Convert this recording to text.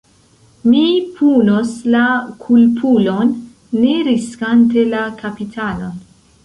Mi punos la kulpulon, ne riskante la kapitalon.